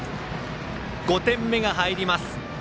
５点目が入ります。